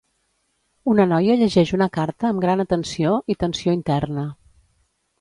Una noia llegeix una carta amb gran atenció i tensió interna.